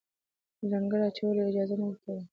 لنګر اچولو اجازه نه ورکوله.